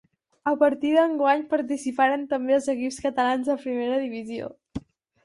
A partir d'enguany participaren també els equips catalans de Primera Divisió.